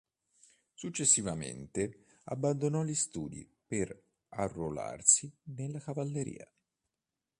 Successivamente, abbandonò gli studi per arruolarsi nella cavalleria.